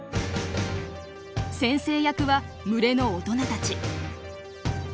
先生役は群れの大人たち。